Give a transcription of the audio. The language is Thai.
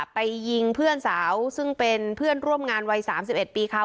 ไปยิงเพื่อนสาวซึ่งเป็นเพื่อนร่วมงานวัยสามสิบเอ็ดปีค่ะ